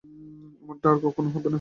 এমনটা আর কক্ষনো হবে না।